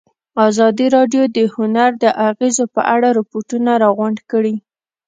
ازادي راډیو د هنر د اغېزو په اړه ریپوټونه راغونډ کړي.